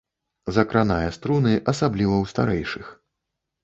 Закранае струны, асабліва ў старэйшых.